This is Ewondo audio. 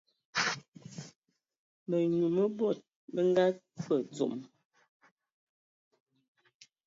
Mənyu mə bod mə nga kpe ndzom.